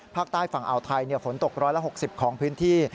ภาคใต้ฝั่งอ่าวไทยฝนตก๑๖๐ของพื้นที่